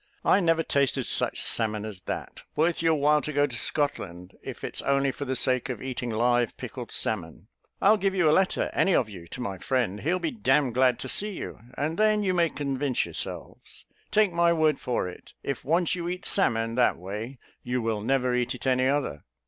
I never tasted such salmon as that. Worth your while to go to Scotland, if it's only for the sake of eating live pickled salmon. I'll give you a letter, any of you, to my friend. He'll be d d glad to see you; and then you may convince yourselves. Take my word for it, if once you eat salmon that way, you will never eat it any other."